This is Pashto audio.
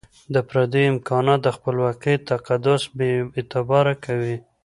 د پردیو امکانات د خپلواکۍ تقدس بي اعتباره کوي.